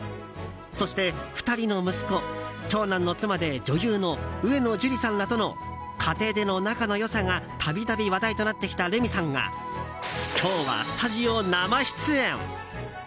そして、２人の息子長男の妻で女優の上野樹里さんらとの家庭での仲の良さが度々話題となってきたレミさんが今日はスタジオ生出演。